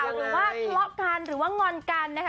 หรือว่าล๊อคกันหรือว่างนกันนะคะ